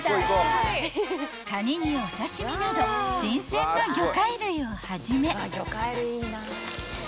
［カニにお刺し身など新鮮な魚介類をはじめ］